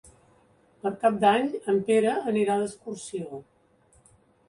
Per Cap d'Any en Pere anirà d'excursió.